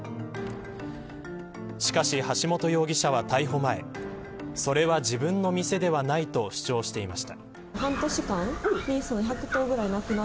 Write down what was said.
しかし、橋本容疑者は逮捕前それは自分の店ではないと主張していました。